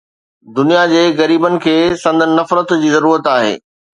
دنيا جي غريبن کي سندن نفرت جي ضرورت آهي